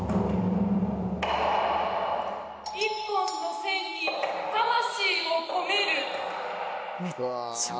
１本の線に魂を込める。